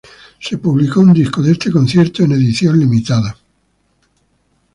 Se publicó un disco de este concierto, en edición limitada.